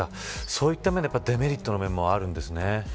そういった面でデメリットの面もあるんですね。